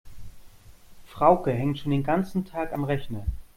Frauke hängt schon den ganzen Tag am Rechner.